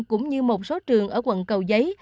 cũng như một số trường ở quận cầu giấy